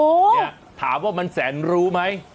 เนี่ยถามว่ามันแสนรู้ไหม